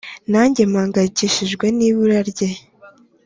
nange mpangayikishijwe nibura rye."